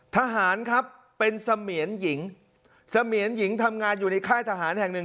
ทหารครับเป็นเสมียนหญิงเสมียนหญิงทำงานอยู่ในค่ายทหารแห่งหนึ่ง